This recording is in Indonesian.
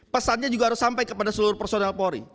pesannya juga harus sampai kepada seluruh personil polri